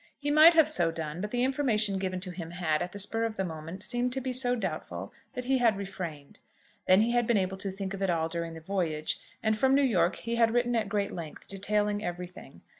He might have so done, but the information given to him had, at the spur of the moment, seemed to be so doubtful that he had refrained. Then he had been able to think of it all during the voyage, and from New York he had written at great length, detailing everything. Mrs.